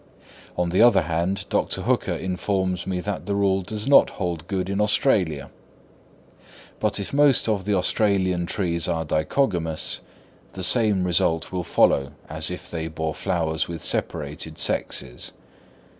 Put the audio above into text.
On the other hand, Dr. Hooker informs me that the rule does not hold good in Australia: but if most of the Australian trees are dichogamous, the same result would follow as if they bore flowers with separated sexes.